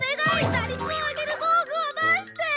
打率を上げる道具を出して！